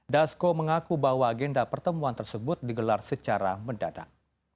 dasko mengaku bahwa agenda pertemuan tersebut digelar secara mendadak